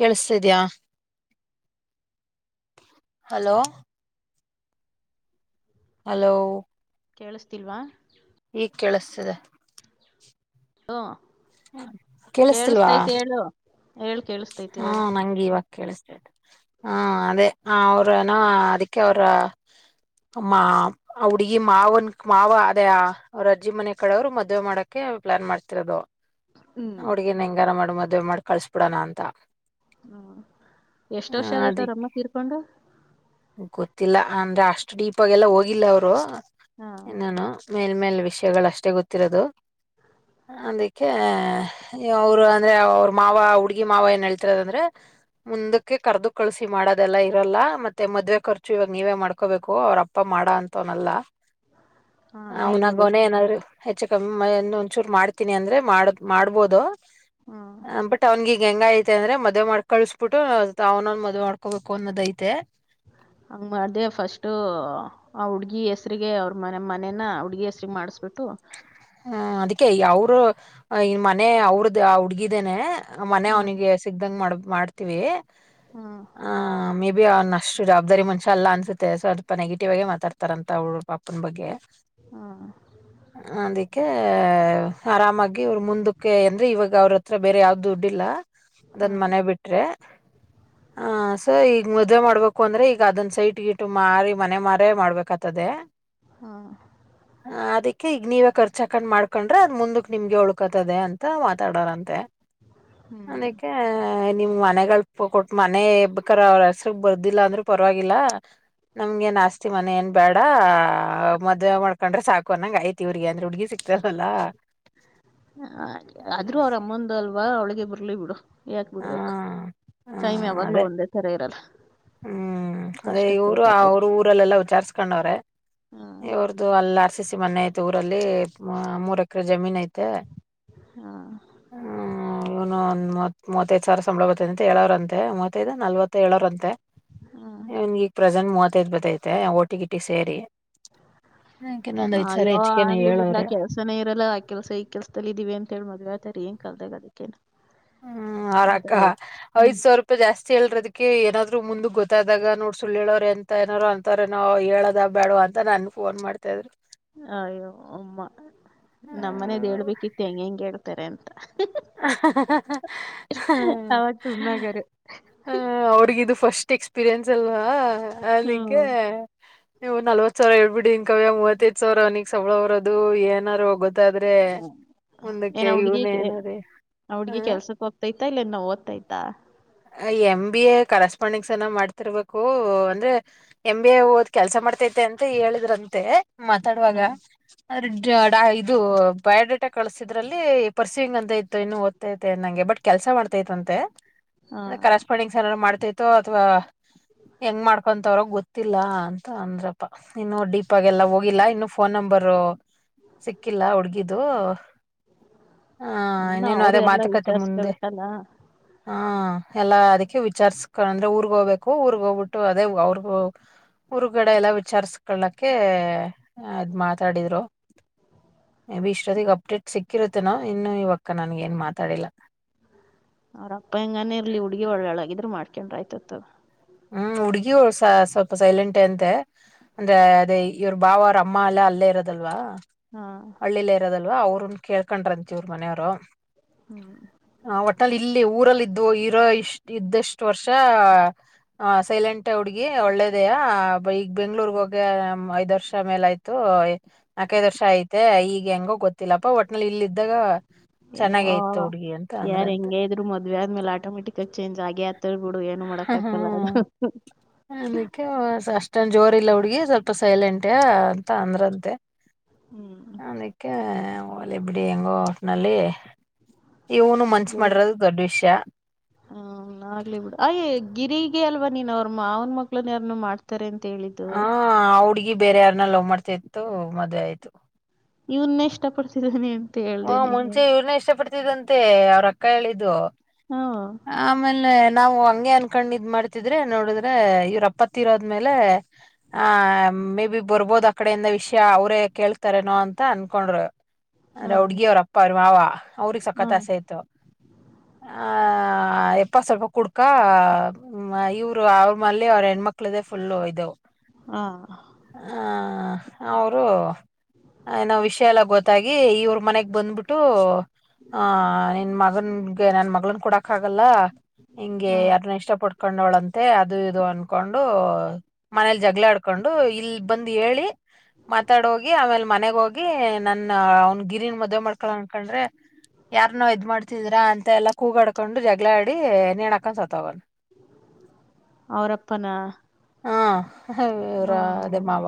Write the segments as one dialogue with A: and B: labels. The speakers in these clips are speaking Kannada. A: ಕೇಳಿಸ್ತಿದ್ಯಾ ಹಲೋ. ಹಲೋ
B: ಕೇಳಿಸ್ತಿಲ್ವಾ?
A: ಈಗ್ ಕೇಳಿಸ್ತಿದೆ.
B: ಹ
A: ಕೇಳಿಸ್ತಿಲ್ವಾ?
B: ಹೇಳ್ ಕೇಳಿಸತೈತಿ
A: ಹಾ
B: ಇವಾಗ
A: ನಂಗಿವಾಗ ಕೇಳಿಸ್ ಹಾ ಅದೇ ಅವ್ರೆನೊ ಅದಕ್ಕೆ ಅವರ ಮಾ ಆ ಹುಡ್ಗಿ ಮಾವನ್ ಮಾವ ಅದೇ ಅವ್ರ ಅಜ್ಜಿ ಮನೆ ಕಡೆವ್ರು ಮದ್ವೆ ಮಾಡಕ್ಕೆ ಪ್ಲಾನ್ ಮಾಡ್ತಿರೋದು. ಆ
B: ಹ್ಮ್
A: ಹುಡ್ಗಿನ್ ಹೆಂಗಾರ ಮಾಡ್ ಮದ್ ದ್ವೆ ಮಾಡ್ ಕಳ್ಸ್ಬಿಡಣ ಅಂತ.
B: ಎಷ್ಟ
A: ಹ
B: ವರ್ಷ
A: ಅದಿಕ್
B: ಆಗೈತವರಮ್ಮ ತೀರ್ಕೊಂಡು.
A: ಗೊತ್ತಿಲ್ಲ ಅಂದ್ರೆ ಅಷ್ಟು ಡೀಪೋಗೆಲ್ಲ ಹೋಗಿಲ್ಲ ಅವ್ರು.
B: ಹಾ
A: ಇನ್ನೆನು ಮೇಲ್ ಮೇಲ್ ವಿಷಯಗಳಷ್ಟೇ ಗೊತ್ತಿರೋದು ಅದಕ್ಕೆ ಅವ್ರು ಅಂದ್ರೆ ಅವ್ರ್ಮಾವ ಹುಡ್ಗಿ ಮಾವ ಏನ್ ಹೇಳ್ತಿರೋದ ಅಂದ್ರೆ ಮುಂದಕ್ಕೆ ಕರ್ದು ಕಳಸಿ ಮಾಡೋದೆಲ್ಲ ಇರಲ್ಲ ಮತ್ತ್ ಮತ್ತೆ ಮದ್ವೆ ಖರ್ಚು ಇವಾಗ ನೀವೇ ಮಾಡ್ಕೋಬೇಕು ಅವ್ರಪ್ಪ ಮಾಡ ಅಂತವನಲ್ಲ.
B: ಹಾ ಆಗ್ಲಿ ಬಿಡು
A: ಅವನಾಗೊನೆ ಏನಾರೂ ಹೆಚ್ಚ ಕಮ್ಮಿ ಮೆ ಒಂದಚೂರು ಮಾಡ್ತೀನಿ ಅಂದ್ರೆ ಮಾಡ ಮಾಡ್ಬೋದು.
B: ಹ್ಮ್
A: ಹ ಬಟ್ ಅವ್ನ್ಗೀಗೆಂಗಾಯ್ತ್ ತೆ ಅಂದ್ರೆ ಮದ್ವೆ ಮಾಡ್ಕಳಿಸ್ಬಿಟ್ಟು ತಾವ್ನ ಮದ್ವೆ ಮಾಡ್ಕೋಬೇಕು ಅನ್ನೋದೈತೆ.
B: ಹಂಗ ಮಾಡ್ದೆ ಫಸ್ಟು ಆ ಹುಡ್ಗಿ ಹೆಸ್ರರಿಗೆ ಅವ್ರ ಮನೆ ಮನೇನ ಆ ಹುಡ್ಗಿ ಹೆಸ್ರ್ಗ್ ಮಾಡಿಸ್ಬಿಟ್ಟು
A: ಹ್ಮ ಅದಕ್ಕೆ ಈ ಅವ್ರು ಇನ್ ಮನೆ ಅವ್ರದು ಆ ಹುಡ್ಗಿದೇನೆ. ಮನೆ
B: ಹ್ಮ್
A: ಅವ್ನಿಗೆ ಸಿಗ್ದಂಗ್ ಮಾಡ್ಬ ಮಾಡ್ತೀವಿ.
B: ಹ್ಮ್
A: ಹ ಮೆ ಬಿ ಅವ್ನ್ ಅಷ್ಟು ಜವಾಬ್ದಾರಿ ಮನುಷ್ಯ ಅಲ್ಲ ಅನ್ಸುತ್ತೆ ಸೊಲ್ಪ ನೆಗೆಟಿವ್ ಆಗೇ ಮಾತಾಡ್ತಾರಂತ ಅವ್ರಪ್ಪನ್ ಬಗ್ಗೆ.
B: ಹ್ಮ್
A: ಅದಿಕ್ ಕೆ ಆರಾಮಾಗಿ ಅವ್ರು ಮುಂದಕ್ಕೆ ಅಂದ್ರೆ ಇವಾಗ ಅವ್ರತ್ರ ಬೇರೆ ಯಾವ್ದು ದುಡ್ಡಿಲ್ಲ. ಅದೊನ್
B: ಹ್ಮ್
A: ಮನೆ ಬಿಟ್ರೆ ಹ ಸೊ ಈ ಮದ್ವೆ ಮಾಡ್ಬೇಕು ಅಂದ್ರೆ ಈಗ ಅದನ್ ಸೈಟ್ ಗೀಟು ಮಾರಿ ಮನೆ ಮಾರೆ ಮಾಡ್ಬೇಕತದೆ.
B: ಹ್ಮ್
A: ಹ ಅದಕ್ಕೆ ಈಗ ನೀವ ಚಕಂಡ್ ಮಾಡ್ಕೊಂಡ್ರೆ ಅದ್ ಮುಂದಕ್ ನಿಮ್ಗೆ ಉಳ್ಕತದೆ ಅಂತ ಮಾತಾಡಾರಂತೆ.
B: ಹ್ಮ್
A: ಅದಕ್ಕೆ ನಿಮ್ ಮನೆಗಳ್ ಕೊಟ್ಟ್ ಮನೆ ಬೇಕರ ಅವ್ರ ಹೆಸರು ಬರ್ದಿಲ್ಲಾ ಅಂದ್ರು ಪರವಾಗಿಲ್ಲ ನಮ್ಗೇನ್ ಆಸ್ತಿ ಮನೆ ಏನ್ ಬೇಡ ಮದ್ವೆ ಮಾಡ್ಕೊಂಡ್ರೆ ಸಾಕು ಅನ್ನಂಗಾಯ್ತಿವ್ರಿಗೆ ಅಂದ್ರೆ ಹುಡ್ಗಿ ಸಿಗ್ತಾರಲ್ಲ.
B: ಹ ಆದ್ರೂ ಅವ್ರಮ್ಮಂದಲ್ವಾ ಅವ್ಳಿಗೆ ಬರಲಿ ಬಿಡು.
A: ಹ
B: ಯಾಕ್ಬಿಡ್ಬೇಕು ಟೈಮು
A: ಹ್ಮ್
B: ಯಾವಾಗ್ಲೂ
A: ಅದೇ
B: ಒಂದೇ ಥರ ಇರಲ್ಲ.
A: ಹ್ಮ್ ಅದೇ
B: ಕಷ್ಟಕ್
A: ಇವರು
B: ಬೇಕಾಗದ್
A: ಅವ್ರ್ ಊರಲ್ಲೆಲ್ಲಾ ವಿಚಾರ್ಸ್ಕೊಂಡವ್ರೆ
B: ಹ್ಮ್
A: ಇವ್ರದು ಅಲ್ಲ ಆರ್ಸಿಸಿ ಮನೆ ಐತೂರಲ್ಲಿ ಮೂರ್ ಎಕರೆ ಜಮೀನ್ ಐತೆ
B: ಹಾ
A: ಇನೂ ಮೂವತ್ ಮೂತ್ವತ್ತೈದ್ ಸಾವ್ರ ಸಂಬಳ ಬತ್ತದಂತ ಹೇಳವ್ರಂತೆ ಮೂವತ್ತೈದೊ ನಲ್ವತ್ತೋ ಹೇಳೊರಂತೆ.
B: ಹ್ಮ್
A: ಇವನ್ಗೀಗ್ ಪ್ರೆಸೆಂಟ್ ಮೂವತ್ ವತ್ತೈತ್ ಬತೈತೆ ಓಟಿ ಗೀಟಿ ಸೇರಿ. ನಂಗ್ ಇನ್ನೊಂದ್
B: ಅ
A: ಐದ್ ಸಾರಿ
B: ಅಯ್ಯೋ
A: ಹೆಚ್ಚಿಗೆನೆ
B: ಆಗ್ಲಿ ಬಿಡ್ಲ
A: ಹೇಳವ್ರೆ
B: ಆ ಕೆಲ್ಸನೇ ಇರಲ್ಲ ಆ ಕೆಲ್ಸ ಈ ಕೆಲ್ಸದಲ್ಲಿ ಇದೀವಿ ಅಂತ ಹೇಳಿ ಮದ್ವೆ ಆತ ಟೀಂನ್ ಕಲ್ದಗದಕ್ಕೆನ್
A: ಹ್ಮ್ ಆರ್ರಕ್ಕ
B: ಹ್ಮ್
A: ಐದ್ಸಾವ್ರಪಾಯಿ ಜಾಸ್ತಿ ಹೇಳರದ್ ಕುಕ್ಕೆ ಏನಾದ್ರು ಮುಂದ್ಗೊತ್ತಾದಾಗ ನೋಡ್ ಸುಳ್ಳ ಹೇಳೋ್ರ ಎಂತ ಏನಾರರು ಅಂತವ್ರೇನೋ ಹೇಳೋದ ಬ್ಯಾಡ್ವ ಅಂತ ನನ್ ಫೋನ್ ಮಾಡ್ತಾ ಇದ್ರು.
B: ಅಯ್ಯೋ ಅಮ್ಮ
A: ಹ್ಮ್
B: ನಮ್ಮನೇದ್ಹೇಳ್ಬೇಕಿತ್ತು ಹೆಂಗೆಂಗ್ಹೇಳ್ ತ್ತರೆಂತ.
A: [unintelligible]
B: ಅವಾಗ ಸುಮ್ನಾಗರು
A: ಅವ್ರಿಗಿದು ಫಷ್ ಟ್ ಎಕ್ಸ್ ಪಿರಿಯನ್ಸ್ ಅಲ್ವಾ. ಅದ್ಕೆ
B: ಹ್ಮ್
A: ನೀವು ನಲ್ವತ್ಸಾವ್ರ ಹೇಳ್ಬಿಡಿನ್ ಕವ್ಯ ಮೂವತ್ತೈದ್ಸಾವ್ರ ಅವ್ನಿಗ್ ಸಂವ್ಳ ವರದು ಏನಾದರು ಗೊ ತ್ತಾದ್ರೆ
B: ಹ್ಮ್ ಏನ್
A: ಮುಂದಕ್ಕೆ
B: ಆ ಹುಡ್ಗಿ
A: ಇವ್ನೆ
B: ಕೆ-
A: ಏನಾರೆ
B: ಆ ಹುಡ್ಗಿ ಕೆಲ್ಸಕ್ಹೋಗ್ತ ತೈಯ್ತ ಇಲ್ಲ ಇನ ಓದ್ತೈಯ್ತಾ.
A: ಎಮ್ ಬಿ ಎ ಕರೆಸ್ಪಾಂಡಿಂಗ್ಸ್ ಎನ್ನ ಮಾಡ್ತಿರ್ಬೇಕು ಅಂದ್ರೆ ಎಮ್ ಬಿ ಎ ಓದ್ ಕೆಲ್ಸ ಮಾಡ್ತೈತೈತೆ ಅಂತ ಹೇಳಿದ್ರಂತೆ. ಮಾತಾಡ್ವಾಗ
B: ಹ್ಮ್
A: ಅದ್ರ್ ಡ ಇದು ಬಯೋಡೇಟಾ ಕಳ್ಸಿದ್ರಲ್ಲಿ ಪರ್ಸ್ಯೂವಿಿಂಗ್ ಅಂತ ಇತ್ತು ಇನ್ನು ಓದ್ತೈತೆ ಅನಂಗೆ ಬಟ್ ಕೆಲ್ಸ ಮಾಡ್ತೈತ್ತ್ ಅಂತೆ.
B: ಹಾ
A: ಅಂದ್ರ್ ಕರೆಸ್ಪಂಡಿಂಗ್ಸ್ನ ಏನ್ರ್ ಮಾಡ್ ತ್ತಿತೋ ಅಥ್ವಾ ಹೆಂಗ್ ಮಾಡ್ಕೊಂತವ್ರೊ ಗೊತ್ತಿಲ್ಲ ಅಂತ ಅಂದ್ರಪ್ಪ ಇನ್ನು ಡೀಪ್ ಆಾಗ್ ಎಲ್ಲ ಹೋಗಿಲ್ಲ ಇನ್ನು ಫೋನ್ ನಂಬರ್ರು ಸಿಕ್ಕಿಲ್ಲ ಹುಡ್ಗಿದ್ ದು. ಹಾ
B: ಇನ್ನ
A: ಇನ್ನೇನು
B: ಅವರು
A: ಅದೇ
B: ಎಲ್ಲಾ
A: ಮಾತುಕತೆ ಮುಂದೆ.
B: ವಿಚಾರ್ಸ್ಕೋಬೇಕಲ್ಲ
A: ಹಾ ಎಲ್ಲಾ ಅದಕ್ಕೆ ವಿಚಾರ್ಸ್ಕ ಅಂದ್ರೆ ಊರ್ಗ್ಹೋಗ್ಬೇಕು ಊರ್ಗ್ಹೋಗ್ಬಿಟ್ಟು ಅದೇ ಅವ್ರಗು ಊರ್ಗಡೆ ಎಲ್ಲಾ ವಿಚಾರ್ಸ್ಕಳಕ ಅದ್ ಮಾತಾಡಿದ್ರು ಮೆ ಬಿ ಇಷ್ಟೊತ್ತಗ ಅಪ್ಡೇಟ್ ಸಿಕ್ಕಿರುತ್ತೇನೊ ಇನ್ನು ಇವಕ್ಕ ನನ್ಗೆನು ಮಾತಾಡಿಲ್ಲ
B: ಅವ್ರಪ್ಪ ಹೆಂಗಾನೇ ಇರ್ಲಿ ಹುಡ್ಗಿ ಒಳ್ಳೆಳಾಗಿದ್ರೆ ಮಾಡ್ಕೆಂಡ್ರಾಯ್ತ್ ತ ತಗ.
A: ಹ್ಮ್ ಹುಡ್ಗಿ ಸೊಪ ಸೈಲೆಂಟ್ ಅಂತೆ ಅಂದ್ರೆ ಅದೇ ಇವ್ರ ಭಾವ ಅವ್ರಮ್ಮ ಎಲ್ಲ ಅಲ್ಲೇ ಇರೋದಲ್ವಾ
B: ಹಾ
A: ಹಳ್ಳಿಲ್ಲ ಇರೋದಲ್ವಾ ಅವ್ರುನು ಕೇಳ್ಕಂಡ್ರಂತ್ತಿವ್ರು ಮನೆವ್ರು.
B: ಹ್ಮ್
A: ಹ ವಟ್ಟಲ್ಲ್ ಲಿ ಇಲ್ಲಿ ಊರಲ್ಲಿ ಇದ್ದು ಇರೋ ಇಷ್ಟ್ ಇದ್ದಷ್ಟು ವರ್ಷಾ ಹ ಸೈಲೆಂಟ್ ಹುಡ್ಗಿ ಒಳ್ಳೇದೆಯ ಈಗ ಬೆಂಗ್ಳೂರ್ ಹೋಗಿ ಐದ್ ವರ್ಷ ಮೇಲಾಯ್ತು ನಾಕೈ ವರ್ಷ ಐತೆ ಈಗ ಹೆಂಗೋ ಗೊತ್ತಿಲ್ಲಪ್ಪ ಒಟ್ನಲ್ಲಿ ಇಲ್ಲಿಇದ್ದಾಗ
B: ಯೋ ಯಾರ್
A: ಅಂದ್ರಂತೆ
B: ಹೆಂಗೆ ಇದ್ರು ಮದ್ವೆೆ ಆದ್ಮೇಲೆ ಆಟೋಮೆಟಿಕ್ ಆಗ್ ಚೇಂಜ್ ಆಗ್
A: [unintelligible] ಹ್ಮ ಅನಕ್ಕೆಸಷ್ಟ್ ಟ್ಂದ್ ಜೋರ್ಲ್ಲ ಹುಡ್ಗಿ ಸ್ವಲ್ಪ ಸೈಲೆಂಟ್ ಅಂತ ಅಂದ್ರಂತೆ. ಅನಕ್ಕೆ ಹೋಲಿ ಬಿಡಿ ಹೆಂಗೋ ಒಟ್ನಲ್ಲಿ ಇವನು ಮನ್ಸ್
B: [unintelligible]
A: ಮಾಡಿರೋದು ದೊಡ್ಡ ವಿಷಯ
B: ಹ್ಮ ಆಗ್ಲಿಬಿಡು ಹೈ ಗಿರಿಗೆ ಅಲ್ವಾ ನೀನ್ ಅವ್ರ್ ಮಾವ್ನ ಮಕ್ಳು ಯಾರ್ನು ಮಾಡ್ತಾರೆ ಅಂತ ಹೇಳಿದ್ದು.
A: ಹಾ ಆ ಹುಡ್ಗಿ ಬೇರೆ ಯಾರ್ನ್ನಲ್ಲವ್ವ್ ಮಾಡ್ತೈ ತು ಮದ್ವೆ ಆಯ್ತು.
B: ಇವ್ನೆಷ್ಟ ಪಡ್ತಿದ್ದಾನೇ
A: ಹೊ ಮುಂಚೆ ಇವ್ರ್ನೇ ಇಷ್ಟ ಪಡ್ತಿದಂತೆ ಅವ್ರ ಕ್ಕ ಹೇಳಿದು.
B: ಹ್ಮ
A: [inaudible] ಆಮೇಲೆ ನಾವು ಹಂಗೆ ಅನ್ಕೊಂಡ್ ಇದ್ ಮಾಡ್ತಿದ್ರೆ ನೋಡಿದ್ರೆ ಇವ್ರಪ್ಪ ತ್ತಿರೋದ್ಮೇಲೆ ಆಹ ಮೇ ಬಿ ಬರ್ಬೋದ ಆ ಕಡೆಯಿಂದ ವಿಷ್ಯ ಅವ್ರೇ ಕೇಳ್ತಾರೇನೋ ಅಂತ ಅನ್ಕೊಂಡ್ರು.
B: ಹಾ
A: ಅದ್ರೆ ಹುಡ್ಗಿಯವ್ರ ಅಪ್ಪ ಅವ್ರ್ ಮಾವ ಅವ್ರಿಗೆ
B: ಹಾ
A: ಸಖತ್ ಆಸೆಯಿತ್ತು ಆ ಪ್ಪ ಸ್ವಲ್ಪ ಕುಡ್ಕಾ ಇವ್ರು ಅವ್ರ ಮಲ್ಲಿ ಅವ್ರ್ ಹೆಣ್ಮಕ್ಳ್ದೇ ಫುಲ್ಲು ಇದು.
B: ಹಾ
A: ಹ ಅವ್ರು ಏನೋ ವಿಷ್ಯ ಎಲ್ಲ ಗೊತ್ತ್ ತ್ ಗಿ ಇವ್ರ ಮನೆಗ್ ಬಂದ್ಬಿಟ್ಟು ಆಹ ನಿನ್ ಮಗನ್ಗೆ ನನ್ ಮಗ್ಳ್ ಕೊಡಕ್ ಆಗಲ್ಲ ನಿಂಗೆ
B: ಹಾ
A: ಯಾರ್ನ್ನ ಇಷ್ಟ ಪಟ್ಕೊಂಡವ್ಳಂತೆ ಅದು ಇದು ಅನ್ಕೊಂಡು ಮನೇಲಿ ಜಗ್ಳ ಆಡ್ಕೊಂಡು ಇಲ್ಬಂದು ಹೇಳಿ ಮಾತಾಡ್ಹೋಗಿ ಆಮೇಲೆ ಮನೆಗ್ಹೊಗಿ ನನ್ ಅವ್ನ್ ಗಿರಿನ್ ಮದ್ವೆ ಮಾಡ್ಕಳನನ್ಕಂಡ್ರೆ ಯಾರ್ನಾವ್ ಇದ್ ಮಾಡ್ತಿದ್ರಾ ಅಂತ ಎಲ್ಲಾ ಕೂಗಾಡ್ಕೊಂಡು ಜಗ್ಳ ಆಡಿ ನೆಣಾಕೊಂಡ್ ಸತ್ಹೋಗೋವ್ನ್.
B: ಅವ್ರಪ್ಪನ
A: ಹ್ಮ್ ಹ ಇವ್ರ ಅದೇ ಮಾವ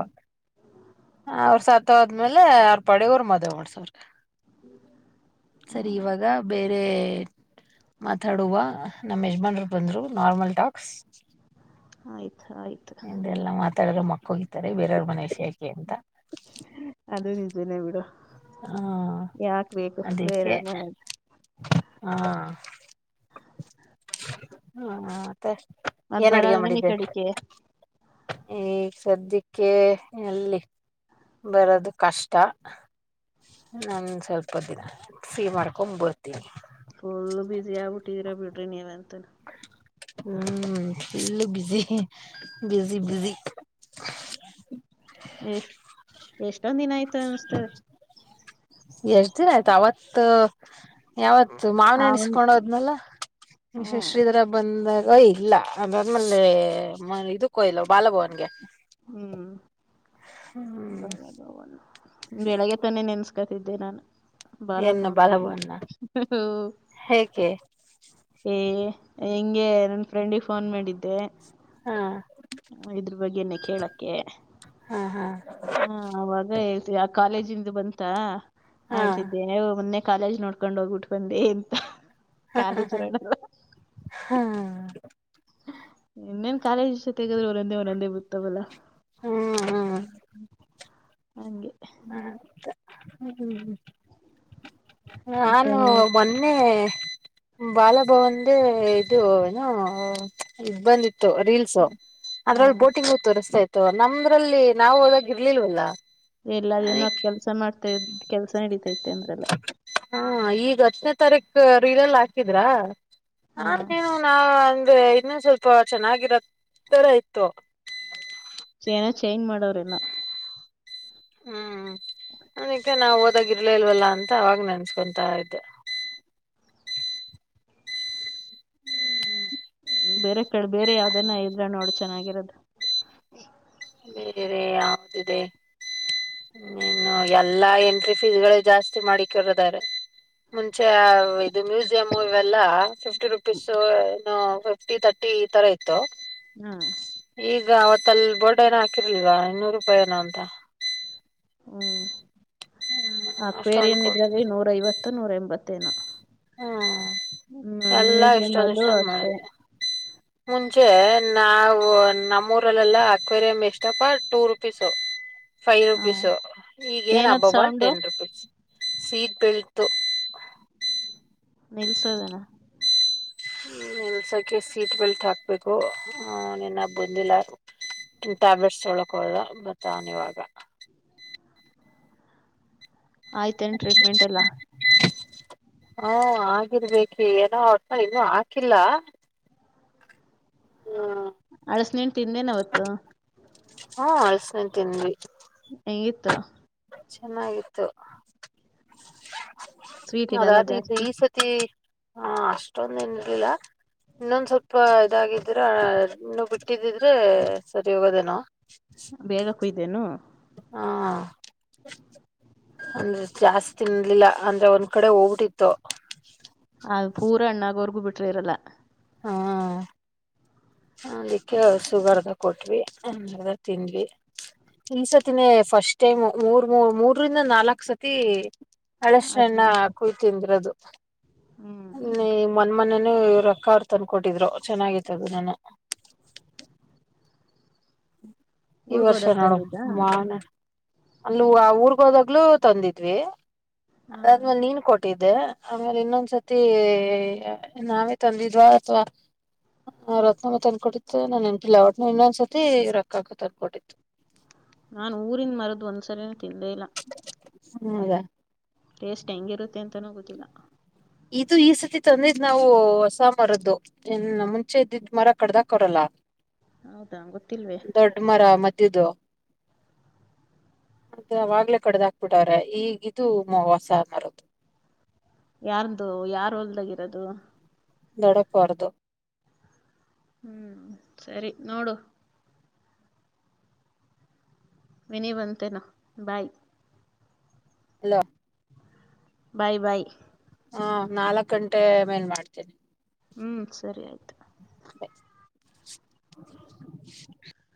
A: ಅವ್ರ ಸತ್ ತ್ತೊದ್ಮೇಲೆ ಅವ್ರ್ ಪಾಡಿಗವ್ರು ಮದ್ವೆ ಮಾಡ್ಸವ್ರೆ. [inaudible] ಸರಿ ಇವಾಗ ಬೇರ್ ರೆ ಮಾತಾಡುವ ನಮ್ಮೆಜುಮಾನ್ರು ಬಂದ್ರು ನಾರ್ಮಲ್ ಟಾಕ್ಸ್
B: ಆಯ್ತ್ ಆಯ್ತು.
A: ತ್ತಾಡ್ದ್ರೆ ಮಕ್ಕ್ ತಾರೆ ಬೇರೆಯವ್ರ ಮನೆ ವಿಷ್ಯಕೆ ಅಂತ.
B: ಅದು ನಿಜನೇ ಬಿಡು
A: ಹ
B: ಯಾಕ್ ಬೇಕು
A: ಅದಕ್ಕೆ
B: ಬೇರೆಯವರ್ ಮನೆದು.
A: [inaudible] ಹಾ ಮತ್ತೆ
B: ಮತ್
A: ಏನ್ ಅಡುಗೆ
B: ಬರಲ್ವೇನ್ ಈ
A: ಮಾಡಿದ್ದೆ.
B: ಕಡಿಕೆ
A: ಹೇ ಸದ್ಯಕ್ಕೆ ಎಲ್ಲಿ ಬರೋದು ಕಷ್ಟ. ನನ್ ಸ್ವಲ್ಪ ದಿನ ಫೀ ಮಾಡ್ಕೊಂಡ್ ಬರ್ತೀನಿ.
B: ಫುಲ್ ಫುಲ್ ಆಗ್ಬಿಟ್ಟಿದ್ದೀರಾ ಬಿಡ್ರಿ ನೀವೆ ಅಂತನ.
A: ಹ್ಮ್ full busy busy busy.
B: Yes ಎಷ್ಟೊಂದ್ ದಿನ ಆಯ್ತ್. ಆಯ್ತ ಅನಿಸುತ್ತದೆ.
A: ಎಷ್ಟ ದಿನ ಆಯ್ತು ಅವತ್ತು ಯಾವತ್ ಮಾವನೆಹಣ್ಣು
B: ಅವನ್
A: ಇಸ್ಕೊಂಡ್ ಹೋದ್ನಲ್ಲ ನಿಮಷ
B: ಹ್ಮ್
A: ಶ್ರೀಧರ ಬಂದಾಗ್ ಓಯ್ ಇಲ್ಲ ಅದಾದ್ಮೇಲೆ ಇದಕ್ಕೋ ಇಲ್ಲ ಬಾಲಭವನ್ಗೆ.
B: ಹ್ಮ್
A: ಹ್ಮ್
B: [unintelligible] ಬೆಳಗ್ ತಾನೆ ನೆನ್ಸ್ ಕತಿದ್ದೆ ನಾನು ಬಾಲ
A: ಏನು ಬಾಲಭವನ್ನ ಹೇಗೆ
B: [unintelligible] ಹೇ ಹಿಂಗೆ ನನ್ ಫ್ರೆಂಡಿಗೆ ಫೋನ್ ಮಾಡಿದ್ದೆ
A: ಹಾ
B: ಇದ್ರು ಬಗ್ಗೆನೆೇ ಕೇಳಕ್ಕೆೆ.
A: ಹಾ ಹಾ
B: ಹಾ ಅವಾಗ ಹೇಳ್ತಿವ್ ಕಾಲೇಜಿಂದ ಬಂತ. ಹಾ ಹಳ್ತಿದ್ದೇನೆ ನೀವು ಮೊನ್ನೆ. ಕಾಲೇಜ್ ನೋಡ್ಕೊಂಡ್ ಹೋಗ್ಬಿಟ್ಟು ಬಂದೆ ಅಂತ.
A: ಹಾ
B: ಕಾಲಿಜರ
A: ಹ್ಮ್
B: ಇನ್ನೇನ್ ಕಾಲೇಜ್ ತೆಗದ್ರರು ಒನೊಂದೇ ಒಂದೊಂದೇ ಬತ್ತವಲ್ಲ. [inaudible] ಹಂಗೆ
A: ಆ ಹ್ಮ್
B: ಮತ್ತೆ
A: ನಾನು ಮೊನ್ನೆ ಬಾಲ [unintelligible] ಬಂದೆ ಇದು ಏನೋ ಹ್ಮ ಇಬಂದಿತ್ತು ರೀಲ್ಸ್
B: ಹಾ
A: ಅದ್ರಲ್ಲಿ ಬೋಟಿಂಗ್ ತೋರಿಸ್ತಾ ಇತ್ ತು. ನಮ್ರಲ್ಲಿ ನಾವ್ಹೋದಾಗಿರ್ಲಿಲ್ವಲ್ಲ.
B: ಇಲ್ಲ ಏನೊ ಕೆಲ್ಸ ಮಾಡ್ ತೆ ಕೆಲ್ಸ ನಡೀತೈತೆ ಅಂದ್ರಲ್ಲ.
A: ಹಾ ಈಗ ಹತ್ತ್ನೇ ತಾರೀಕ ರೀಲೆಲ್ಲ್ ಹಾಕಿದ್ರಾ ಹಾ ನೀನು ನಾ ನ್ಗೆ ಇನ್ನೊಸ್ವಲ್ಪ ಚೆನ್ನಾಗಿರತ್ತರ ಇತ್ತು.
B: ಚೇನೋ ಚೇಂಜ್ ಮಾಡವ್ರೆನೊ.
A: ಹ್ಮ್ ಅನಕ್ಕೆ ನಾ್ ಹೋದಾಗಿರ್ಲೆ ಇಲ್ವಲ್ಲ ಅಂತ ಅವಾಗ್ ನೆನ್ಸ್ಕೊಂತ ಇದ್ದೆ.
B: ಬೇರೆ ಕಡ್ ಬೇರೆ ಯಾವ್ದನ ಇದ್ರೆ ನೋಡು ಚೆನ್ನಾಗಿರೋದು.
A: ಬೇರೆ ಯಾವ್ದಿದೆ ಇನ್ನು ಎಲ್ಲಾ ಎಂಟ್ರಿ ಫೀಸ್ಗಳು ಜಾಸ್ತಿ ಮಾಡಿಕರದಾರೆ ಮುಂಚೆ ಇದು ಮ್ಯೂಸಿಯಂ ಇವೆಲ್ಲಾ ಫಿಫ್ಟಿ ರುಪೀಸು ಫಿಫ್ಟಿ ತರ್ಟಿ ಇತರ ಇತ್ತು.
B: ಹ್ಮ್
A: ಅವತ್ತಲ್ ಕ ಏನೊ ಹಾಕಿರ್ಲಿಲ್ವಾ ಇನ್ನೂರೂಪಾಯಿನೊ ಅಂತ.
B: ಹ್ಮ್
A: ಹ್ಮ್ ಅಷ್ಟೊಂದು
B: ಅಕ್ವೇರಿಯಂ
A: ಕೊಟ್
B: ಇದ್ರಲ್ಲಿ ನೂರೈವತ್ತು ತ್ತ ನೂರೆಂಬತ್ತೇನೊ
A: ಹ್ಮ ಎಲ್ಲಾ
B: ಮ್ಯೂಸಿಯಂ
A: ಇಷ್ಟೊಂದ್
B: ಅಲ್ಲೂ
A: ಇಷ್ಟೊ
B: ಅಷ್ಟೇ
A: ಮಾಡಿದೆ ಮುಂಚೆ ನಾವು ನಮ್ಮೂರಲ್ಲೆಲ್ಲ ಅಕ್ವೇರಿಯಂ ಎಷ್ಟಪ್ಪ ಟೂ ರುಪೀಸು ಫೈವ್
B: ಹ
A: ರುಪೀಸ್ ಈಗ ಏನ್
B: ಏನದ್
A: ಅಬಬ್ಬ
B: sound
A: ten rupees. Seat belt ದು.
B: ನಿಲ್ಸದುನ.
A: ನಿಲ್ಸೋಕ್ಕೆೆ ಸೀಟ್ ಬೆಲ್ಟ್ ಹಾಕ್ಬೇಕು ಅವ್ನಿನ್ನ ಬಂದಿಲ್ಲ ಟ್ಯಾಬ್ಲೆಟ್ಸ್ ತೊಳಕ್ಹೊದ ಬತ್ತನ್ ಇವಾಗ.
B: ಆಯ್ತೇನ್ ಟ್ರೀಟ್ಮೆಂಟ್ ಎಲ್ಲಾ
A: ಹಾ ಆಗಿರ್ಬೇಕಿ ಏನೋ ಹೊಟ್ ಇನ್ನುೂ ಹಾಕಿಲ್ಲ ಹಾ
B: ಅಳ್ಸ್ ನೇನ್ ತಿಂದೇನ್ ಅವತ್ತು.
A: ಹ್ಮ ಅಳ್ಸನೆೇ ತಿನ್ವಿ.
B: ಹೆಂಗಿತ್ತು.
A: ಚೆನ್ನಾಗಿತ್ತು. [unintelligible]
B: ಸ್ವೀಟ್ ಇಲ್ಲಲ್ಲ
A: ಅದಗ್ ಇದ್ದ
B: ಜಾಸ್ತಿ
A: ಈ ಸತಿ ಹಾ ಅಷ್ಟೊಂದೆನ್ ಇರ್ಲಿಲ್ಲ ಇನ್ನೊಂದ್ಸ್ವಲ್ಪ ಇದಾಗಿದ್ರೆ ಇನ್ನು ಬಿಟ್ಟಿದ್ದಿದ್ರೆ ಸರಿ ಹೋಗೋದೇನೋ
B: ಹುದೆನು
A: ಹಾ [inaudible] ಅಂದ್ರೆ ಜಾಸ್ತಿನ್ಲಿಲ್ಲ ಅಂದ್ರೆ ಒಂದ್ ಕಡೆ ಹೋಗ್ಬಿಟ್ಟಿತ್ತು
B: ಅದು ಪೂರ ಹಣ್ಣು ಆಗೋವರ್ಗು ಬಿಟ್ [unintelligible]
A: ಅದಿಕ್ಕೆ ಶುಗರ್ದ ಕೊಟ್ವಿ ಅದ ತಿಂದ್ವಿ ಈಸತಿನೇ ಫಸ್ಟ್ ಟೈಮ್ ಮೂರ್ ಮೂ ಮೂರರಿಂದ ನಾಲ್ಕ್ ಸತಿ. ಅಳಷ್ನ ಕುಳತಿಂದ್ರ ಅದು.
B: ಹ್ಮ್
A: ನೀ ಮೊನ್ ಮೊನ್ನೆ. ನೀ ಇವ್ ರೊಕ್ಕ ಅವ ತಂದಕೊಟ್ಟಿದ್ರು ಚೆನ್ನಾಗಿತ್ತದ ನಾನ. ಈ
B: ಊರ್ಗ್
A: ವರ್ಷ
B: ಹೋದಾಗ ತಂದಿದ್ದ
A: ನೋಡುಮಾ ಅಲ್ಲಿ ಆ ಊರ್ಗ ಹೋದಾಗ್ಲೂ ತಂದಿದ್ವಿ.
B: ಹಾ
A: ಅದಾದ್ಮೇಲೆ ನೀನ್ ಕೊಟ್ಟಿದ್ದೆ. ಆಮೇಲೆ ಇನ್ನೊಂದ್ಸತಿ ನಾವೇ ತಂದಿದ್ವಾ ಅಥವಾ ರತ್ನಮ್ಮ ತಂದ್ಕೊಟ್ಟಿತ್ತು ನಾನನ್ ಎಂಟಿಲ್ಲ ಒಟ್ನ ಇನ್ನೊಂದ್ಸರ್ತಿ ರೊಕ್ಕಕ್ಕ ತಂದ್ ಕೊಟ್ಟಿತ್ತು
B: ನಾನ್ ಊರಿನ್ ಮರದ ಒಂದ್ಸರಿನ ತಿಂದೆ ಇಲ್ಲ.
A: ಹೌದಾ
B: ಟೇಸ್ಟ್ ಹೆಂಗಿರುತ್ತೆ ಅಂತನೂ ಗೊತ್ತಿಲ್ಲ.
A: ಇದು ಈ ಸತಿ ತಂದಿದ್ದ್ ನಾವು ಹೊಸ ಮರದ್ದು ಇನ್ ಮುಂಚೆ ಇದಿದ್ ಮರ ಕಡ್ದಾಕೊರಲ್ಲ.
B: ಹೌದಾ ಗೊತ್ತಿಲ್ವೆ.
A: ಇದದು ಮತ್ತ ಅವಾಗ್ಲೇ ಕಡದ ಹಾಕ್ಬಿಟ್ಟವ್ರೆ ಈಗಿದು ಮರುದ್ದು.
B: ಯಾರ್ದು ಯಾರ ಹೊಲ್ದಾಗಿ ಇರೋದು.
A: ದೊಡ್ಡಪ್ಪ ಅವ್ರ್ದು.
B: ಹ್ಮ್ ಸರಿ ನೋಡು. ವಿನಿ ಬಂತೇನೋ ಬಾಯ್.
A: ಹಲೋ
B: ಬಾಯ್ ಬಾಯ್
A: ಹಾ ನಾಲ್ಕ್ ಗಂಟೆ ಮೇಲ್ ಮಾಡ್ತೇನಿ.
B: ಹ್ಮ್ ಸರಿ ಆಯ್ತು.
A: [inaudible]